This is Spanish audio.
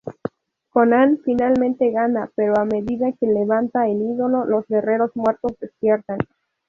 Conan finalmente gana pero a medida que levanta el ídolo los guerreros muertos despiertan.